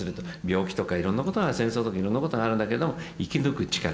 病気とかいろんなことが戦争の時にいろんなことあるんだけれども生き抜く力。